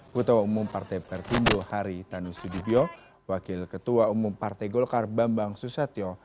ketua umum partai pertindu hari tanusudibyo wakil ketua umum partai golkar bambang susatyo